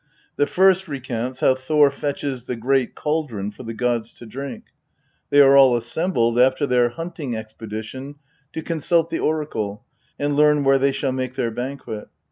The first recounts how Thor fetches the great cauldron for the gods to drink. They are all assembled, after their hunting expedition, to consult the oracle, and learn where they shall make their banquet.